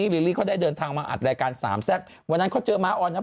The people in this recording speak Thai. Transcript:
พี่สาวมันก็แบบว่า